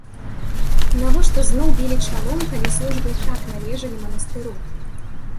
Навошта зноў білі чалом, калі службы і так належалі манастыру?